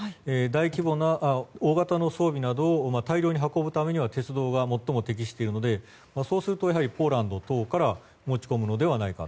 大規模な大型の装備などを大量に運ぶためには鉄道が最も適しているのでそうするとポーランド等から持ち込むのではないか。